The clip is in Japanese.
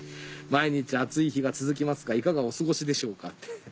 「毎日暑い日が続きますがいかがお過ごしでしょうか。